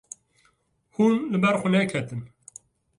Hûn li ber xwe neketin.